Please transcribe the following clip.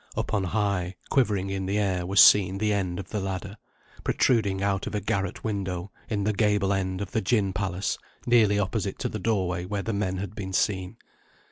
Up on high, quivering in the air, was seen the end of the ladder, protruding out of a garret window, in the gable end of the gin palace, nearly opposite to the doorway where the men had been seen.